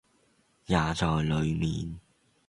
也在裏面，